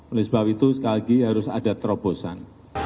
oleh sebab itu sekali lagi harus ada terobosan